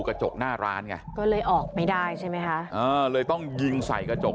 กระจกหน้าร้านไงก็เลยออกไม่ได้ใช่ไหมคะเออเลยต้องยิงใส่กระจก